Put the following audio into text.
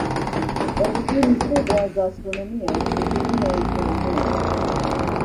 Darubini kubwa za astronomia hutumia mfumo huo.